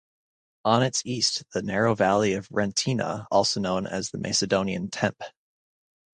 On its east the narrow valley of Rentina, also known as the "Macedonian Tempe".